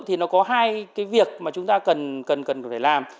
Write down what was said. thì nó có hai cái việc mà chúng ta cần phải làm